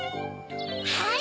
はい！